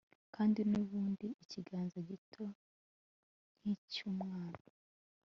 kandi nubundi ikiganza, gito nkicyumwana